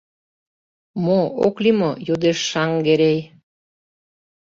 — Мо...ок лий мо? — йодеш Шаҥгерей.